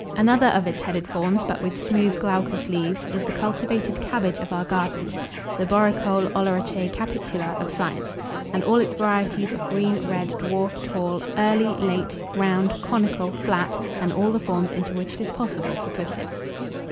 Another of its headed forms, but with smooth glaucous leaves, is the cultivated Cabbage of our gardens (the Borecole oleracea capitula of science); and all its varieties of green, red, dwarf, tall, early, late, round, conical, flat, and all the forms into which it is possible to put it.